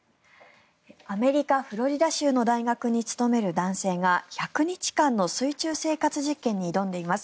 アメリカ・フロリダ州の大学に勤める男性が１００日間の水中生活実験に挑んでいます。